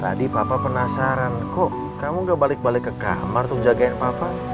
tadi papa penasaran kok kamu gak balik balik ke kamar untuk jagain papa